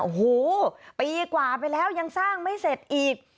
โอ้โหปีกว่าไปแล้วยังสร้างไม่เสร็จอีก